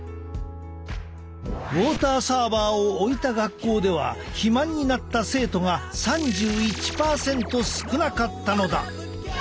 ウォーターサーバーを置いた学校では肥満になった生徒が３１％少なかったのだ。